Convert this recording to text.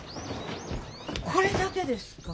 これだけですか？